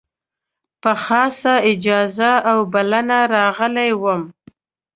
په خاصه اجازه او بلنه راغلی وم.